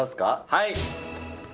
はい。